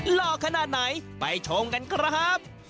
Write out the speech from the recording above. หล่อขนาดไหนไปชมกันครับ